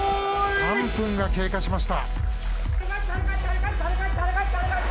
３分が経過しました。